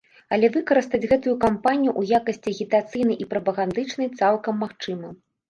Але выкарыстаць гэтую кампанію ў якасці агітацыйнай і прапагандычнай цалкам магчыма.